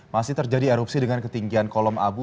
masih terjadi erupsi dengan ketinggian kolom abu